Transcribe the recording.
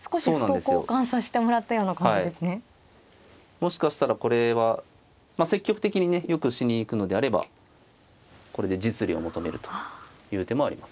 もしかしたらこれはまあ積極的にねよくしに行くのであればこれで実利を求めるという手もあります。